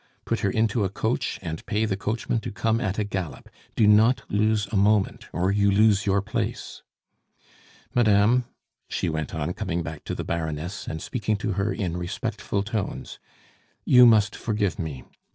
Put her into a coach and pay the coachman to come at a gallop. Do not lose a moment or you lose your place. "Madame," she went on, coming back to the Baroness, and speaking to her in respectful tones, "you must forgive me.